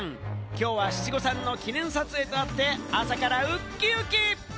きょうは七五三の記念撮影とあって、朝からウッキウキ。